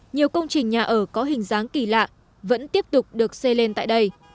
nhiều công trình nhà ở có hình dáng kỳ lạ vẫn tiếp tục được xây lên tại đây